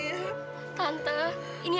ya kenapa ayu